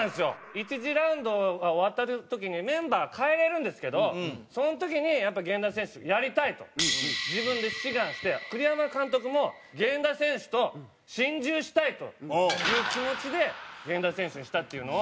１次ラウンドが終わった時にメンバー代えられるんですけどその時に源田選手「やりたい」と自分で志願して栗山監督も源田選手と心中したいという気持ちで源田選手にしたっていうのを。